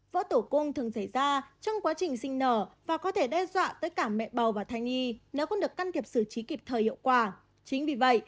vỡ tủ cung thường xảy ra trong quá trình sinh nở và có thể đe dọa tới cả mẹ bầu và thay nghi nếu không được căn kiệp xử trí kịp thời hiệu quả